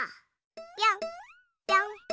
ぴょんぴょん。